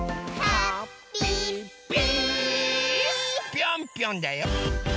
ぴょんぴょんだよ！